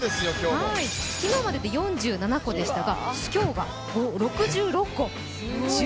昨日までで４７個でしたが今日が６６個。